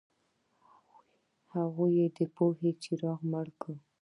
هغوی د پوهې څراغ مړ کړ.